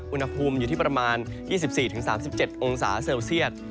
อุณหภูมิอยู่ที่ประมาณ๒๔๓๗องศาเซลเซียต